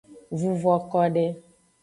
Vuvo kode.